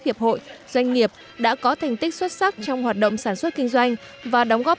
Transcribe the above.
hiệp hội doanh nghiệp đã có thành tích xuất sắc trong hoạt động sản xuất kinh doanh và đóng góp